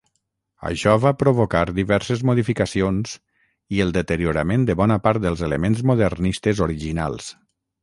Això va provocar diverses modificacions i el deteriorament de bona part dels elements modernistes originals.